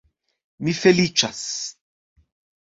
Mi feliĉas.